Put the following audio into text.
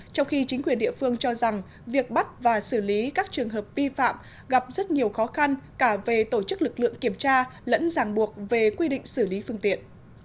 trong khi chính quyền địa phương cho rằng việc bắt và xử lý các trường hợp vi phạm gặp rất nhiều khó khăn cả về tổ chức lực lượng kiểm tra lẫn ràng buộc về quy định xử lý phương tiện